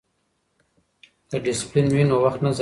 که ډسپلین وي نو وخت نه ضایع کیږي.